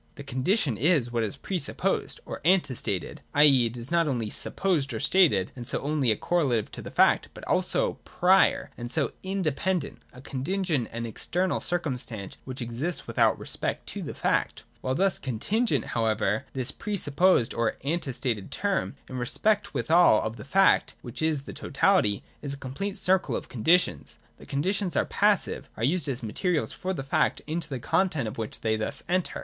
The Condition is (a) what is pre supposed or ante stated, i. e. it is not only supposed or stated^ and so only 2 72 THE DOCTRINE OF ESSENCE. [148 a correlative to the fact, but also prior, and so inde pendent, a contingent and external circumstance which exists without respect to the fact. While thus contin gent, however, this pre supposed or ante stated term, in respect withal of the fact, which is the totality, is a complete circle of conditions. (3) The conditions are passive, are used as materials for the fact, into the content of which they thus enter.